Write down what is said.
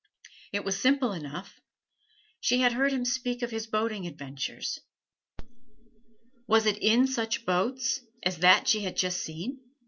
It was simple enough. She had heard him speak of his boating adventures. Was it in such boats as that she had just seen?